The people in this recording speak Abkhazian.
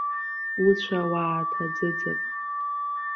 Уцәа уааҭаӡыӡап!